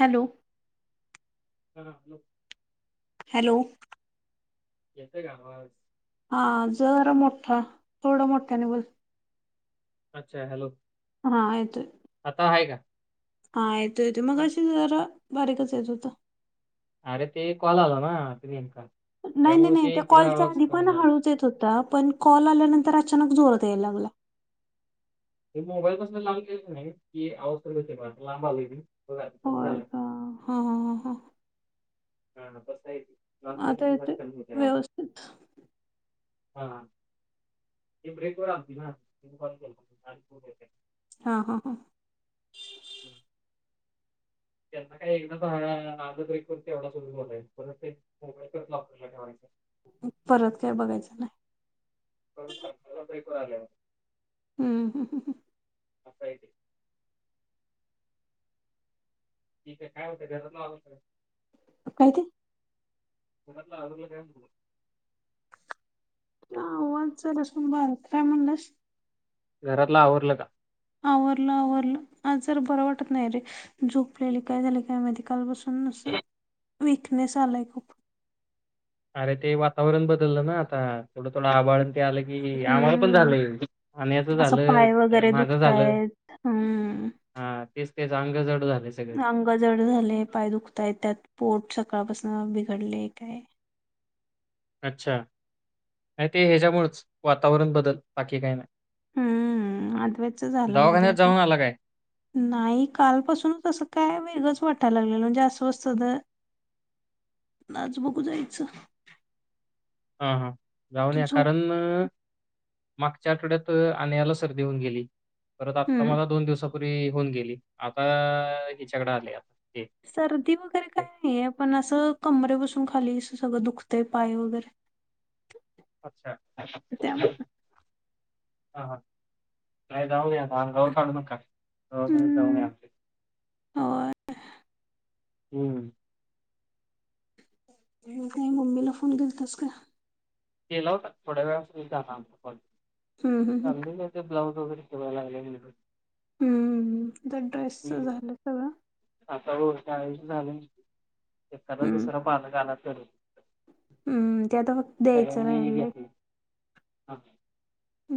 Hello हा hello येतंय का आवाज हा जरा मोठा थोडं मोठं नि बोल अच्छा हॅलो हा येतोय आता आहे का? हा येतो येत मग हां. अशी जरा बारीकच येत होत अरे ते कॉल आलं ना नेमका नाही नाही त्यामुळे नाही, ते त्या इकडं कॉलच्या आवाज आधी कमी पण झाला. हळूच येत होता. पण कॉल आल्यानंतर अचानक जोरात यायला लागला. मोबाईल कसल्या लांब गेलं नाही की, अवाज लांब आ हो, का होय झालं. का हा हा हा हा [unintelligible] आता गेलं की जरा यतोय व्यवस्थित. हा ब्रेक व [inaudible] हा हा हा, हम्म त्यांना काय एक ना आध ब्रेक कर एवढा बोलायचं पर ते मोबाईल कर आपल्याला ठेवायच. परत काय बघायचं नाही. परत [unintelligible] हम्म हम्म [unintelligible] ठीक आहे काय होतंय [unintelligible] काय ते? आवरला का? [inaudible] घरातला आवरलं का? आवरलं आवरलं, आज जरा बरं वाटत नाही रे झोपलेली काय झाली, काय मध्ये कालपासुन विकनेस, अलाय खूप. अरे ते वातावरण बदललं ना आता थोडं थोडं आभाळ. आलं की आम्हाला पण हम्म झालं, आण्याच असं पाय झालं वगैरे माझ झालं. दुखतायत हम्म हा तेच तेच अंग जड झाले सगळे. अंग जड झाले, पाय दुखताय, त्यात पोट सकाळ बस. बिघडले काय. अच्छा, नाही ते ह्याच्यामुळेच वातावरण बदल बाकी काही नाही. हम्म, अद्वैत चे झालं मध्ये दवाखान्यात आता जाऊन आला काय? नाही कालपसूनच असं काय वेगळंच वाटत. लागलेलं म्हणजे अस्वस्थ आज बघू जायचं. हा हां जाऊन. तर या झोप कारण मागच्या आठवड्यात आन्याला सर्दी होऊन गेली परत आता हम्म मला दोन दिवसा परी होऊन गेली, आता हिच्याकड आलेय आता. ते सर्दी वगैरे काय एक नाही आपण असं कमरे बसून खाली सगळं दुखते पाय वगैरे, अच्छा हा त्यामुळे हा, का जाऊया अंगावर काढू नका दवाखान्यात जाऊन या. हम्म होय. हम्म काही मम्मीला फोन दिलतास का? केला होता थोड्या वेळापूर्वी झाला आमचा कॉल हम्म हम्म हम्म सांगली -मिरजेत ब्लाऊज वगैरे, हे मला [inaudible] हम्म, ज ड्रेसच झालं सगळं आता बघ शाळेचं झाले, एखादा हम्म दुसरा पालक आला तरचं. हम्म त्या तर सगळ्यांनी, [unintelligible]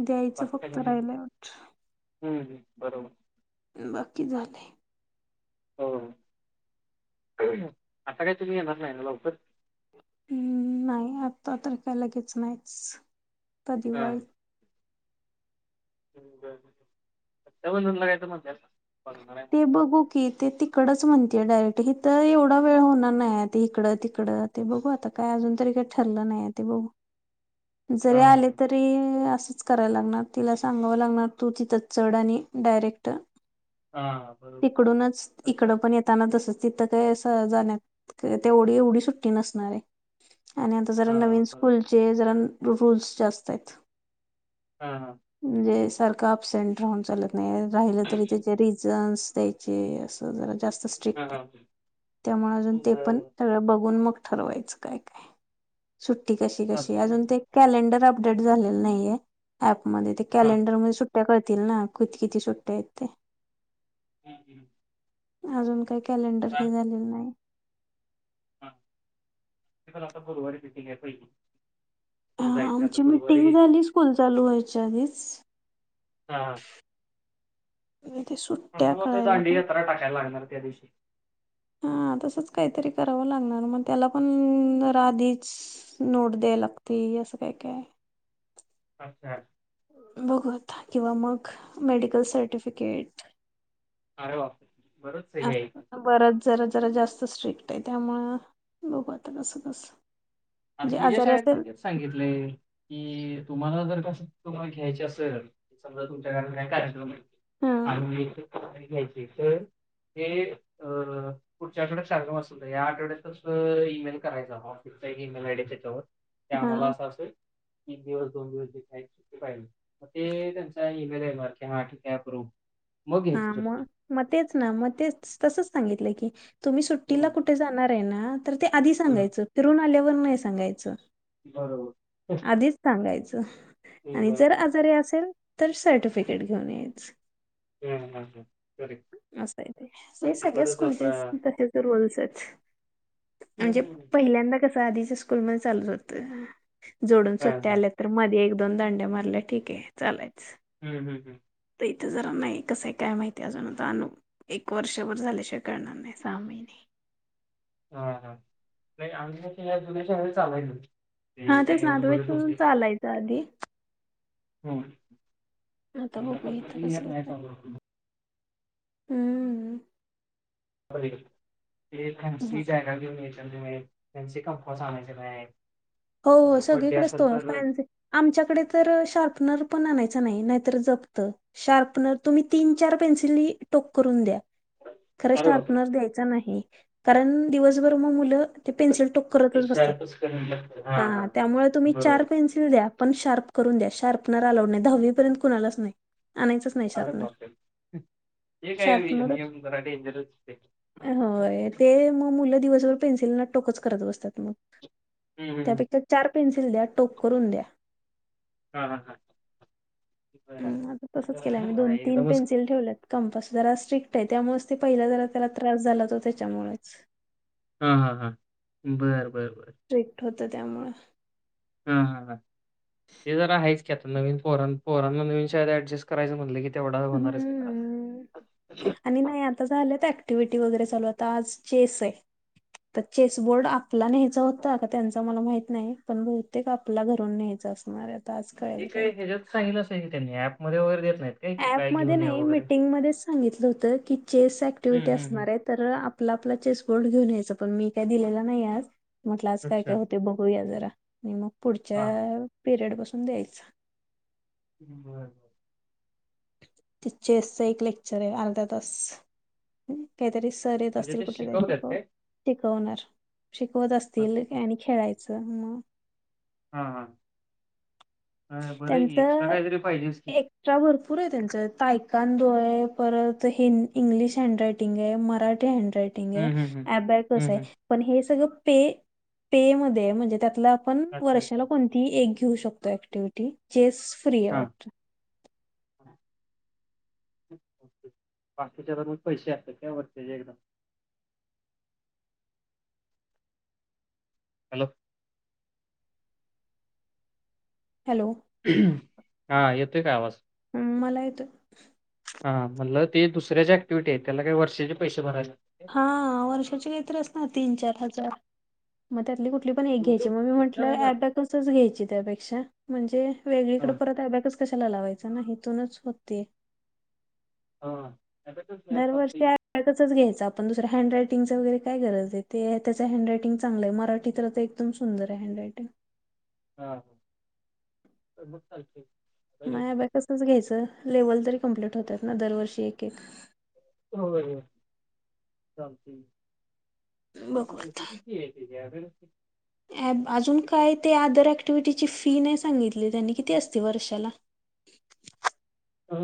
द्यायचं बाकी फक्त सगळ्यांनी राहिलंय वाटत. हम्म हम्म बरोबर, बाकी झालय. हो. आता काय तुम्ही येणार नाही, ना लवकर हम्म, नाही आता तर काय लगेच नाहीच. आता दिवाळीत हम्म बर बर रक्षाबंधनला यायचं म्हणत्यात. ते बघू की, ते त तिकडेच म्हणतेय, डायरेक्ट हित एवढा वेळ होणार नाही इकडं तिकडं ते बघू आता काय अजून तरी. ठरले नाही. ते बघू हा जरी हा आले हा. तरी अ करायला लागणार तिला सांगावं लागणार तू तिथं चढ आणि डायरेक्ट हा बरोबर तिकडूनच असं इकड पण येताना तस तिथं काय जाण्यात तेवढी- एवढी सुट्टी नसणार आहे. आणि आता जरा हा नवीन बरोबर. स्कूलचे जरा रुल्स जास्त आहेत. हा हा, म्हणजे सारखं अबसेंट राहून चालत नाही राहिलं तरी त्याचे रिझन्स द्यायचे असं जरा जास्त हा स्ट्रिक्ट आहे. हा. त्यामुळे अजून ते पण बरं सगळं बघून मग ठरवायचं. काय काय सुट्टी कशी- कशी चालतंय की. अजून ते कॅलेंडर. अपडेट झालेला नाहीये, ऍपमध्ये ते हा. कॅलेडरमध्ये सु सुट्टया कळतील ना किती -किती सुट्टया आहेत ते, अजून काही कॅलेंडर आता हे झालेलं नाही. हा ते आता गुरुवारी मिटिंग आहे पहिली. हा मग जायचं आता आमची मीटिंग गुरुवारी झाली स्कूल चालू व्हायच्या आधीच, हा, ते सुट्ट्या आम्हाला फक्त कळायला दांडी पाहिजे यात्रा टाकायला लागणार त्या दिवशी तसच काहीतरी करावं लागणार मग त्याला पण आधीच नोट द्यावी लागते. हे असं काय काय? अच्छा! बघूयात किंवा मग मेडिकल सर्टिफिकेट. अरे बापरे! बरंच काही आहे की, बराच जरा जरा जास्त स्ट्रिक्ट आहे त्यामुळं बघू आता कसं कसं. म्हणजे विजय आजारी साहेब पण असेल ते सांगितलंय की, तुम्हाला जर का सुट्टी तुम्हाला घ्यायची असेल समजा तुमच्या घरात काय कार्यक्रम आहे. हा आणि घ्यायचे तर, हे पुढच्याकडे [unintelligible] असल या आठवड्यातच ईमेल करायचा ऑफिसचा. इमेल आहे तेच्यावर आम्हाला हा असं अस तीन दिवस, दोन दिवस जे [inaudible] ते पाहिजे. ते त्यांचा ईमेल येणार की, हा ठिक आहे अ एप्रूव हा मग, मग तेच ना मग ते तसच सांगितलं की तुम्ही हम्म सुट्टीला कुठे जाणार? आहे ना तर ते आधी हम्म सांगायचं फिरून आल्यावर नाही सांगायचं. बरोबर, आधीच सांगायचं हम्म आणि बरोबर. जर आजारी अस तर सर्टिफिकेट घेऊन यायच. हम्म हम्म कॅरेकट. असं आहे ते नाही सगळ्या स्कूलचे तसेच रुल्स आहेत. म्हणजे हम्म पहिल्यांदा कस, आधीच्या स्कुलमधे चालूच होत, जोडून हां सुट्टया हां. आल्यातर मधी एकदा दोन दांड्या मारल्या ठीक आहे चालायचं. हम्म हम्म तिथे जरा नाही कसं आहे काय माहिती अजून तर अनुभव एक वर्षभर झाल्याशिवाय करणार नाही सहा महिने, हा हा नाही, आम्ही या जुन्या शाळेला चालायच. हा तेच ना [unintelligible] चालायचं आधी. हम्म आता बघू इथं कसं कसं आहे. [unintelligible] हम्म फॅन्सी बॅगा आणायच्या नाहीत, फॅन्सी कंपास आणायचे नाहीत. हो हो बड्डे सगळीकडेच तो असेल तर फॅन्सी आमच्याकडे तर शार्पनर पण आणायच नाही ज शार्पनर तुम् तीन चार पेन्स टोक करून द्या खर अरे बापरे! शार्पनर द्याय नाही कारण दिवसभर मग मु पेन्स शारपच करून लागत हा त्यामुळे तुम्ही चार पेन्सिल द्या आपण शार्प करून द्या शार्पनर अलाउड नाही दहावीपर्यंत कुणालाच नाही आणयचच नाही अरे पणार बापरे! ते काय शार्पनर नियम जरा डेंजरच ते. ते मग मु दिवस ोत बतात म हं, हं. त्यापेक्षा चार पेन्सिल द्या टोप करून द्या हम हम हा ह आता तसच केलंमी हा, दोन तीन एकदमच पेन्सिल ठेवलेत कंप सु ज स्ट्रिक आहे त्यामुळेच ते पहिला जरा त्याला त्रास झाला त त्याच्यामुळेच हा हा हा बरं बरं बरं. स्ट्रिक्ट होतं त्यामुळं हा हा हा ते जर आहेच की आता नवीन फोरन फोर नवीन शा ऍडजस्ट करायचं म्हटलं कि हम्म आणि नाही आता झालं त्या क्टिव्हटी वगैरे चालू आता आज चेस आहे तर चेसबोर्ड आपला न्यायचा होता का त्यांचा मला माहित नाही पण बहुतेक आपला घरून न्यायचा मार ते काही ह्याच्यात सांगलंच नाही त्यांनी पमध्येध्ये वगैरे देत नाहीत काय की काय ऍपमध्ये घेऊन या नाही वगैरे? मीटिंगमध्येच सांगितलं होत की चेस हं, ऍक्टिव्हटी हं, हं. असणार आहे तर आपला आपला चेस बोर्ड घेऊन यायचं पण मी काय दिलेलं नाही आज म्हटलं आज काय अच्छा. काय होते बघूया जरा आणि मग पुढच्या हां, हां. पिरियड पासून द्यायच बर बर टीचर्सचा एक लेक्चर आहे अर्धा तास काहीतरी अस म्हणजे ते कुठ शिकवतात श काय? शिकवणार शिकवत असतील अच्छा. आणि खेळायचं मग हा हा त्यां पाहिजेच की. एट्रा भरपूर त्यांय तो आहे परत हि इंग्लिश हँड रायटिंग आहे मराठी हँड हं, हं, हं. हं, हं. पण हे स म्हण त्या आपण अच्छा, वर्षाला अच्छा. कोणती एक घेऊ शकतो ऍक्टिव्हटी जेस फ्री आहे वाटत हम बाकीच्या तर मग पैसे असतात वरतीचे एकदम हॅलो.. हॅलो.. हा येतोय काय आवाज. मला तर.. हां म्हणलं ते दुऱ्या क्ि्हिटी आहेत त्याला काही वर्षाचे पैसे भरायचे. हा वर्षाची काहीतरी अस ना तीन चार हजार मग त्यातली कुठे.. ण एक घ्याय मग विचारायला म्हटच घ्याय त्यापेक्षा म्हणजे वेग हां, परत.. कशाला लावायचा ना हथूनच होते. हा. दरवर्षीच घ्यायच आपण दुसर हँड राट.. वैरे काय गरज आहे ते त्याच हँड रायटिंग चांगलं आहे मराठीत तर एकदम सुंदर आहे हँड रायटिंग. हा हाल... मायाभ्या कसच घ्यायचं लेव्हल तरी कंप्लीट होतात ना दरवर्षी एक एक. हो ल ठी.. किती.. [unintelligible] ॲप अजून काय ते अदर ऍक्टिव्हटीची फी नाही सांगितली त्यांनी किती असते वर्षाला. अ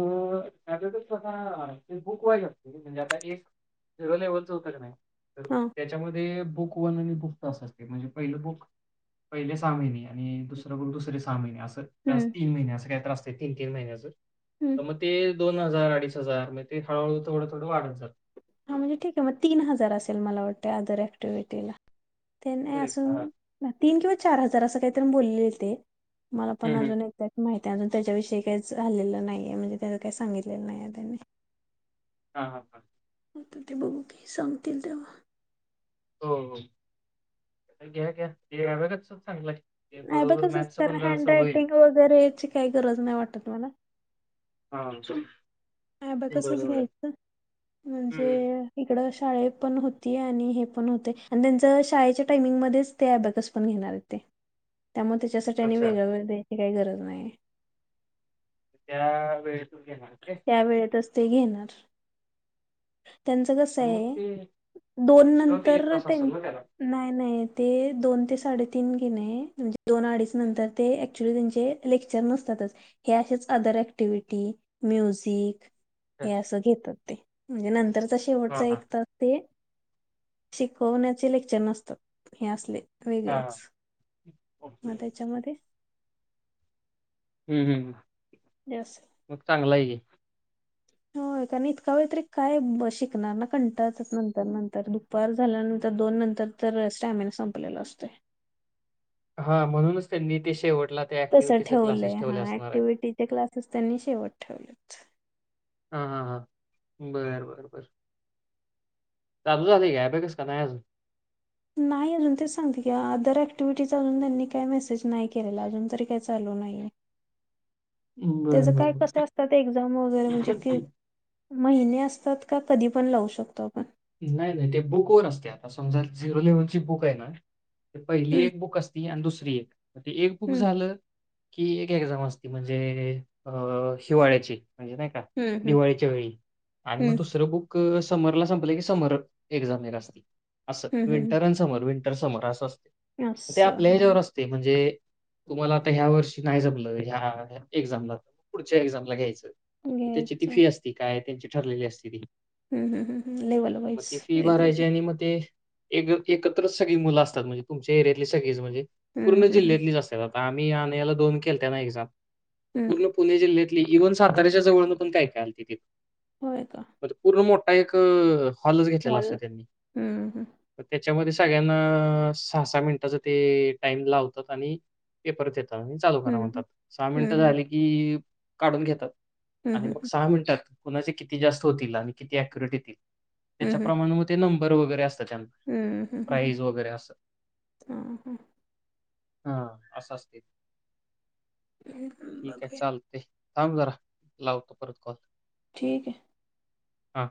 त्या स्ता बुक व्हाय शगते म्हणजे आता ए झिरो लेवलचं होतं क नाही. तर हा त्याच्यामध्ये बुक वन आणि बुक तस असते म्हणजे पहिलं बुक. पहिले सहा महिने आणि दुसरं करून दुसरे सहा महिने अस. तर क्लास हम्म तीन महिने असं काहीतरी असतं तीन-तीन महिन्याचं हम्म म ते दोन. दोन हजार अडीच हजार मग ते हळहळू थोडं, थोड वाढतात. हा म्हणजे ठीक आहे, मग तीन हजार असेल मला वाटतें अदर ऍक्टिव्हिटीला. ते नाही करेक्ट. हां. असून तीन किंवा चार हजार असं काहीतरी बोलले ते. मला पण हं, हं. अजून एक्झॅक्ट माहिती. त्या अजून त्याच्याविषयी काही झाल्लेलं नाहीये म्हणजे त्याच काही सांगितलेलं नाही त्यांनी. हा हा हा. आता ते बघू की सांगतील तेव्हा. हो हो घ्या घ्या घ [unintelligible] बघ चांगलंय. नाही बघसच कारण हँड रायटिंग वगैरे याची काही गरज नाही वाटत मला. हा स. [unintelligible] [unintelligible] ब कसच घ्यायचं हं, म्हणजे हं. इकड.. शाळे पण होती, आणि हे पण होते, आणि त्यांच शाळेच्या टायमिंगमध्येच ते अ बॅगस पण घेणार हाईत ते. [inaudible] त्यामुळे त्याच्यासाठी आणि अच्छा. वेगळ वेगळ द्यायची काही गरज नाही. त्या वेळेत. त्या वेळेतच ते घेणार. त्यांचं कस पण मग आहे, ते दोन एक्स्ट्रा ते नंतर तास त्यां असेल ना त्याला? नाही नाही. ते दोन ते साडेतीन गेणे म्हणजे दोन अडीच नंतर ते क्च्युली त्यांचे लेक्चर नसतात. हे असच अदर ऍक्टिवटी म्युझिक. हे असं घेतात ते म्हणजे नंतरचा शेवटचा हां, हां. एक तास ते. शिकवण्याचे लेक्चर नसत हे असले. हां, हां. वेगळेच ओके. मग त्याच्यामध्ये. हम्म हम् जास्त मग चांगला हाय घे. होय कारण इतका वेळ तरी काय शिकणार ना कंटाचच नंतर नंतर दुपार झाल्यानंतर. तर दोन नंतर तर स्टॅमिना संपलेला असतेय. हा म्हणूनच त्यांनी शेवट. तस ठेवलंय हा ऍक्टिव्हटीचे क्लासेस त्यांनी शेवट ठेवले. हा हा हा बर बर बर. चालू झाले ग बघितलीस का नाही अजून. नाही अजून तेच सांगते क अदर ऍक्टिव्हिटीज अजून त्यांनी त्यांनी मेसेज नाय केलेला अजून तर काही चालू. तो नाहीये. [inaudible] त्याचं बरं, बरं, काय कस असतात एक्झाम वगैरे म्हणजे बरं. कि. महिने असतात का कधी पण लावू शकतो आपण. नाही नाही ते बुक वन असते आता समजा झिरो लेव्हल ची बुक आहे ना. ते पहिली हम्म एक बुक असती आणि दुसरी एक ते एक बुक हम्म झालं की एक. एक जाम असती म्हणजे अ हिवाळ्याची. म्हणजे नाही का हम्म हम्म दिवाळीच्या वेळी आणि मग हम्म दुसरं बुक समरला संपलं की. समर अस अस हम्म हम्म विंटर आणि समर विंटर समर अस असतंय. हम्म ते असं आपल्या हा ह्याच्यावर असते म्हणजे तुम्हाला आता ह्या वर्षी. नाही जमलं ह्या एक्झामला पुढच्या एक्झामला घ्यायचं. त्याची ती घ्यायचं. फी असती काय त्यांची ठरलेली असती ती. हम् हम हम. मग ते फी भरायची आणि मग ते एक एकत्रच सगळी मुलं असतात म्हणजे तुमच्या एरियातली सगळीच म्हणजे हम्म पूर्ण हम्म हम्म जिल्ह्यातलीच असतात. आम्ही आणि याला दोन के त्यां हब हम्म पूर्ण पुणे जिल्ह्यात इवन साताऱ्याच्या जवळ पण काय काय तिथ होय का पूर्ण मोठा एक हॉलच घेतलेला हॉल असतोय त्यांनी हम्म हम्म त्याच्यामध्ये सगळ्यांना सहा सहा मिनिटांचा ते टाइम लावतात आणि पेपर देतात. म चालू खरा म्हणतात हम्म सहा मिनिटं हम्म झाली की काढून घेतात हम्म आणि हम्म मग सहा मिनिटात कुणाचे किती जास्त होतील आणि किती अॅक्युरेट येतील हम्म हम्म हम्म त्याच्याप्रमाणे मग ते नंबर वगैरे असत हम्म हम्म हम्म हम्म प्राईज वगैरे अस हां हां हा असं असतय ते ठीक आहे बघूया. चालतय. थांब जरा लावतो परत कॉल ठीक आहे हा